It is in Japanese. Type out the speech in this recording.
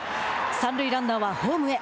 三塁ランナーはホームへ。